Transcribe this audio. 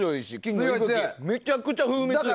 めちゃくちゃ風味も強い。